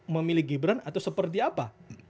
memilih gibran atau seperti apa